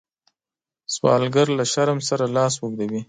سوالګر له شرم سره لاس اوږدوي